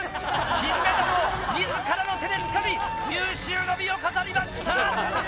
金メダルを自らの手でつかみ有終の美を飾りました！